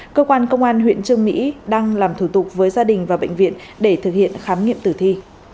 cơ quan công an huyện trương mỹ đang làm thủ tục với gia đình và bệnh viện để thực hiện khám nghiệm tử thi